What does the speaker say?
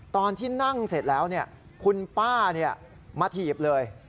ตอนที่นั่งเสร็จแล้วคุณป้ามาถีบเลย